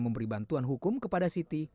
memberi bantuan hukum kepada siti